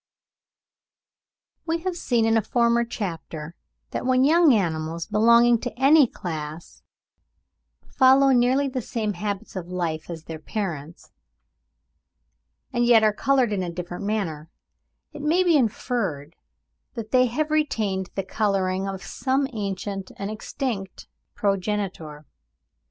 We have seen in a former chapter that when young animals belonging to any class follow nearly the same habits of life as their parents, and yet are coloured in a different manner, it may be inferred that they have retained the colouring of some ancient and extinct progenitor.